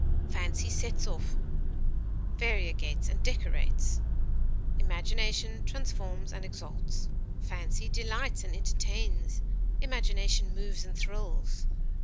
Fancy sets off, variegates, and decorates; imagination transforms and exalts. Fancy delights and entertains; imagination moves and thrills.